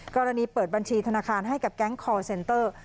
กรณีเปิดบัญชีธนาคารให้กับแก๊งคอร์เซนเตอร์